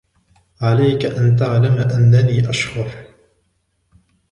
عليك أن تعلم أنني أشخر